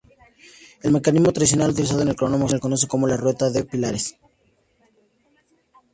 El mecanismo tradicional utilizado en el cronógrafo se conoce como la rueda de pilares.